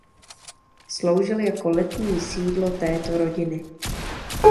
Sloužil jako letní sídlo této rodiny.